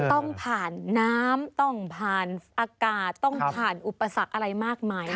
ต้องผ่านน้ำต้องผ่านอากาศต้องผ่านอุปสรรคอะไรมากมาย